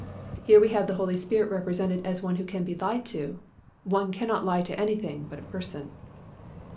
Here we have the Holy Spirit represented as one who can be lied to. One cannot lie to anything but a person.